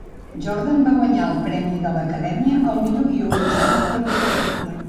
Jordan va guanyar el premi de l'Acadèmia al millor guió original per la pel·lícula.